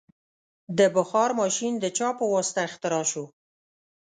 د بخار ماشین د چا په واسطه اختراع شو؟